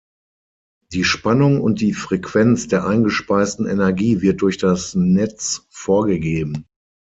Die Spannung und die Frequenz der eingespeisten Energie wird durch das Netz vorgegeben.